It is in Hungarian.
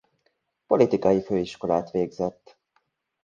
Politikai főiskolát végzett.